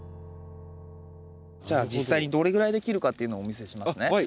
じゃあ実際にどれぐらいで切るかっていうのをお見せしますね。